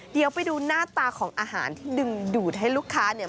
เดี๋ยวไปดูหน้าตาของอาหารที่ดึงดูดให้ลูกค้าเนี่ย